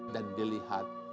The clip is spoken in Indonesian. dan dilihat kita